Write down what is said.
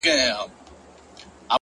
ځان پېژندنه د حکمت پیل دی!